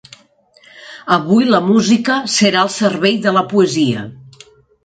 Avui la música serà al servei de la poesia.